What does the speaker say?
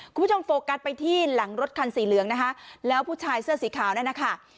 โฟกัสไปที่หลังรถคันสีเหลืองนะคะแล้วผู้ชายเสื้อสีขาวนั่นนะคะ